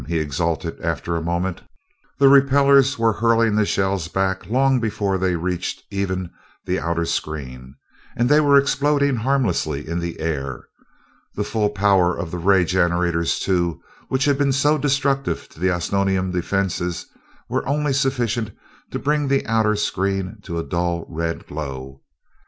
he exulted after a moment. The repellers were hurling the shells back long before they reached even the outer screen, and they were exploding harmlessly in the air. The full power of the ray generators, too, which had been so destructive to the Osnomian defenses, were only sufficient to bring the outer screen to a dull red glow.